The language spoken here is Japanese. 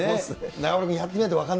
中丸君、やってみないと。